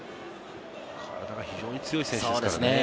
体が非常に強い選手ですからね。